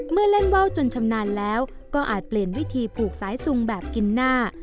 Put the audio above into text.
เมื่อเล่นว่าวจนชำนาญแล้วก็อาจเปลี่ยนวิธีผูกสายซุงแบบกินหน้า